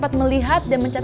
aku sudah kekejar